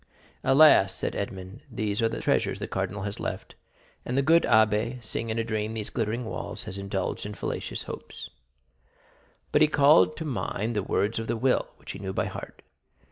"Alas," said Edmond, smiling, "these are the treasures the cardinal has left; and the good abbé, seeing in a dream these glittering walls, has indulged in fallacious hopes." But he called to mind the words of the will, which he knew by heart.